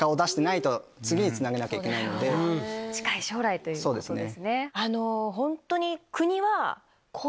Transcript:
近い将来ということですね。